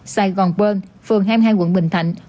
hai sài gòn bơn phường hai mươi hai quận bình thạnh